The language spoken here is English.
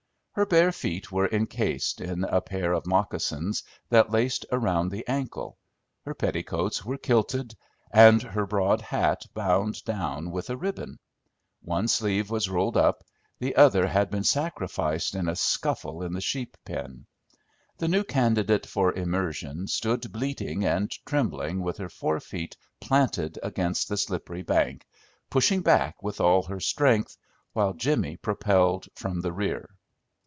Her bare feet were incased in a pair of moccasins that laced around the ankle; her petticoats were kilted, and her broad hat bound down with a ribbon; one sleeve was rolled up, the other had been sacrificed in a scuffle in the sheep pen. The new candidate for immersion stood bleating and trembling with her forefeet planted against the slippery bank, pushing back with all her strength while Jimmy propelled from the rear.